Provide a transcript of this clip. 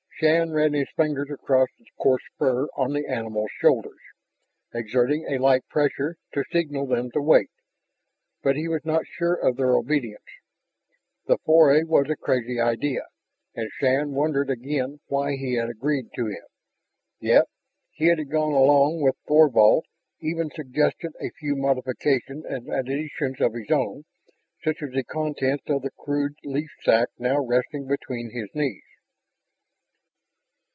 Shann ran his fingers across the coarse fur on the animals' shoulders, exerting a light pressure to signal them to wait. But he was not sure of their obedience. The foray was a crazy idea, and Shann wondered again why he had agreed to it. Yet he had gone along with Thorvald, even suggested a few modifications and additions of his own, such as the contents of the crude leaf sack now resting between his knees.